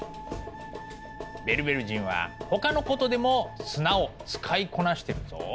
ベルベル人はほかのことでも砂を使いこなしてるぞ。